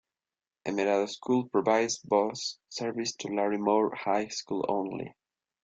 Emerado school provides bus service to Larimore High School only.